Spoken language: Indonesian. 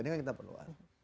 ini kan kita perluas